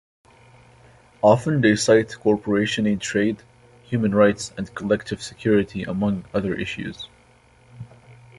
Often they cite cooperation in trade, human rights and collective security among other issues.